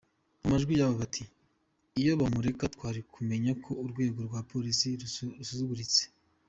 Mu majwi yabo bati “Iyo bamureka twari kumenya ko urwego rwa pilisi rusuzuguritse….